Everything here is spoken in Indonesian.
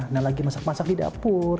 nah lagi masak masak di dapur